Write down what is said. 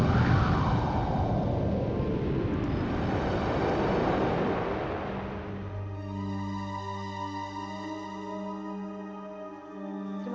aku akan menangkapmu